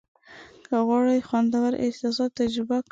که غواړم خوندور احساسات تجربه کړم.